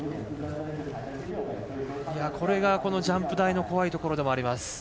これが、このジャンプ台の怖いところでもあります。